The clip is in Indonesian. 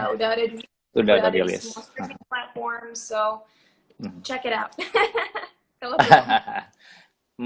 udah udah udah ada di streaming platform so check it out hahaha